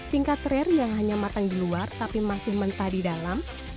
tingkat trair yang hanya matang di luar tapi masih mentah di dalam